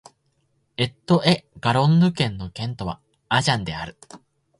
ロット＝エ＝ガロンヌ県の県都はアジャンである